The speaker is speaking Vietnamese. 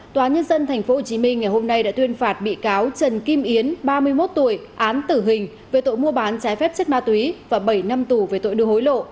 tòa nhân dân tp hcm ngày hôm nay đã tuyên phạt bị cáo trần kim yến ba mươi một tuổi án tử hình về tội mua bán trái phép chất ma túy và bảy năm tù về tội đưa hối lộ